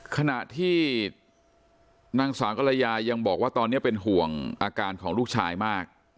ขณะที่นางสาวกรยายังบอกว่าตอนนี้เป็นห่วงอาการของลูกชายมาก